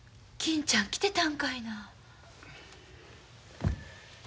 金ちゃん来てたんかいな。